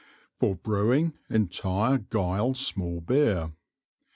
For Brewing Intire Guile Small Beer.